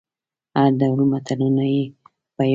هر ډول متلونه يې په ياد وو.